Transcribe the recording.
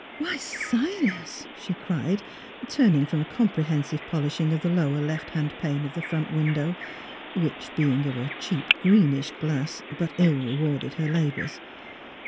<< Why, Silas! " she cried, turning from a com prehensive polishing of the lower left hand pane of the front window — which being of a cheap, greenish glass but ill rewarded her labours.